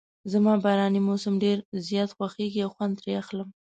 زما باراني موسم ډېر زیات خوښیږي او خوند ترې اخلم.